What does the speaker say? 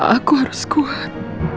aku harus kuat